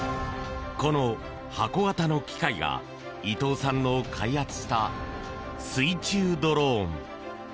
この箱形の機械が伊藤さんの開発した水中ドローン。